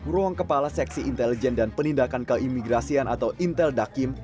ruang kepala seksi intelijen dan penindakan keimigrasian atau intel dakim